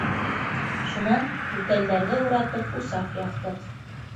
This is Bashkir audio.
Шунан түтәлдәрҙе уратып усаҡ яҡтыҡ.